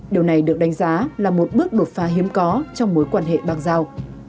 điều này được đánh giá là một bước đột phá hiếm có trong mối quan hệ bang giao